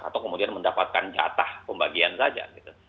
atau kemudian mendapatkan jatah pembagian saja gitu